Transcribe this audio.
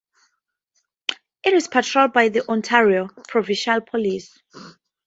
It is patrolled by the Ontario Provincial Police.